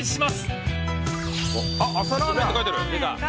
あっ朝ラーメンって書いてある。